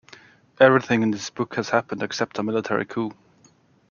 Everything in this book has happened except a military coup!